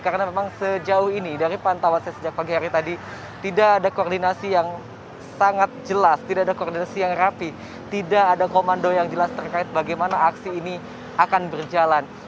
karena memang sejauh ini dari pantauan saya sejak pagi hari tadi tidak ada koordinasi yang sangat jelas tidak ada koordinasi yang rapi tidak ada komando yang jelas terkait bagaimana aksi ini akan berjalan